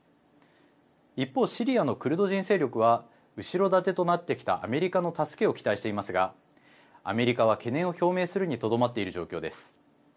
一方、シリアのクルド人勢力は後ろ盾となってきたアメリカの助けを期待していますがアメリカは懸念を表明するにとどまっている状況です。